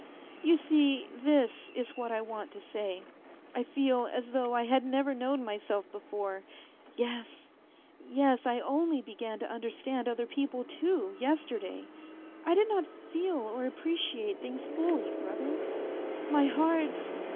You see, this is what I want to say. I feel as though I had never known myself A FAINT HEART 187 before yes ! Yes, I only began to understand other people too, yesterday. I did not feel or appreciate things fully, brother. My heart